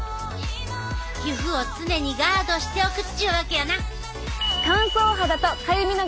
皮膚を常にガードしておくっちゅうわけやな！